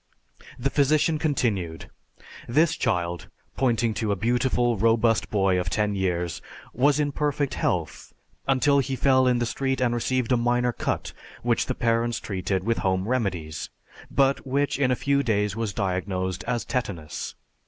The physician continued, "This child," pointing to a beautiful, robust boy of ten years, "was in perfect health, until he fell in the street and received a minor cut which the parents treated with home remedies, but which in a few days was diagnosed as Tetanus."